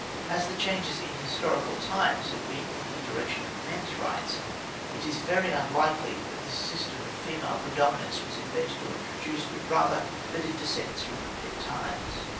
As the changes in historical times have been in the direction of men's rights, it is very unlikely that this system of female predominance was invented or introduced, but rather that it descends from primitive times.